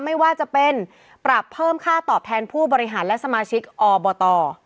ไม่ว่าจะเป็นปรับเพิ่มค่าตอบแทนผู้บริหารและสมาชิกอบต